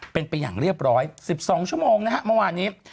เป็นไปอย่างเรียบร้อย๑๒ชั่วโมงนะฮะเมื่อวานนี้